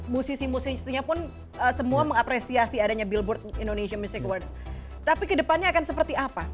musisi musisinya pun semua mengapresiasi adanya billboard indonesia music awards tapi kedepannya akan seperti apa